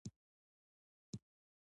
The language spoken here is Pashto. زموږ متلونه هم زياتره نارينه دي،